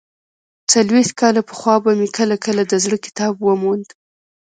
څلوېښت کاله پخوا به مې کله کله د زړه کتاب وموند.